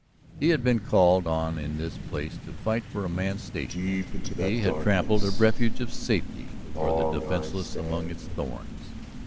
He had been called on in this place to fight for a man's station in it; he had trampled a refuge of safety for the defenseless among its thorns.